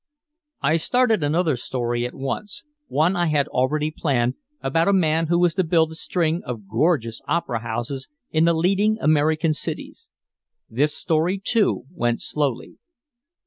I started another story at once, one I had already planned, about a man who was to build a string of gorgeous opera houses in the leading American cities. This story, too, went slowly.